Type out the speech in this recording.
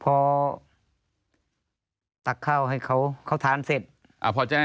พอตักข้าวให้เขาทานเสร็จ